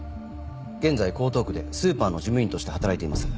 現在江東区でスーパーの事務員として働いています。